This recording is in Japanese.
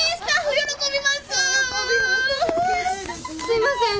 すいません。